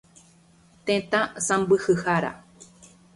Tetã sãmbyhyhára.